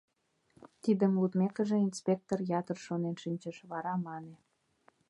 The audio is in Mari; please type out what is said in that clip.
Тидым лудмекыже, инспектор ятыр шонен шинчыш, вара мане: